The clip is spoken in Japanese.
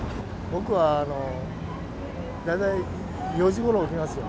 僕は大体４時ごろ起きますよ。